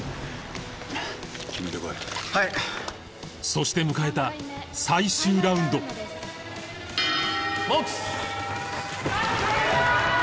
そして迎えた最終ラウンドボックス！